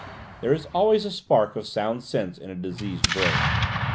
There is always a spark of sound sense in a diseased brain.